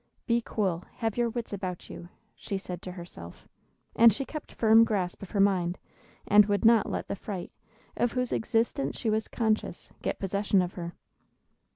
"Be cool; have your wits about you," she said to herself. And she kept firm grasp of her mind, and would not let the fright, of whose existence she was conscious, get possession of her.